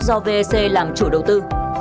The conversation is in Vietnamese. do vec làm chủ đầu tư